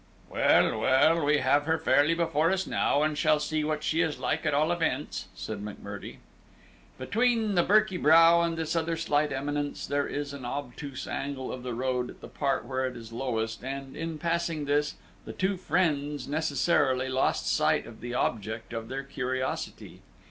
"Well, well, we have her fairly before us now, and shall see what she is like at all events," said McMurdie. Between the Birky Brow and this other slight eminence there is an obtuse angle of the road at the part where it is lowest, and, in passing this, the two friends necessarily lost sight of the object of their curiosity.